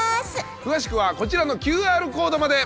詳しくはこちらのＱＲコードまで！